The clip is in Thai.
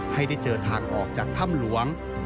ให้ได้เจอทางออกจากถ้ำหลวง